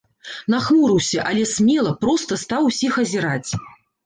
Нахмурыўся, але смела, проста стаў усіх азіраць.